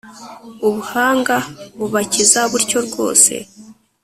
Ubuhanga bubakiza butyo rwose